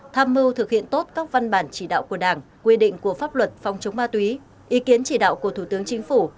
tham mưu thực hiện tốt các văn bản chỉ đạo của đảng quy định của pháp luật phòng chống ma túy ý kiến chỉ đạo của thủ tướng chính phủ